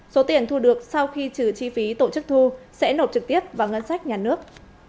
số tiền thu được sau khi trừ chi phí tổ chức thu sẽ nộp trực tiếp vào ngân sách nhà nước